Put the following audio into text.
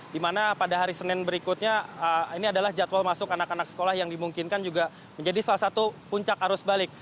di mana pada hari senin berikutnya ini adalah jadwal masuk anak anak sekolah yang dimungkinkan juga menjadi salah satu puncak arus balik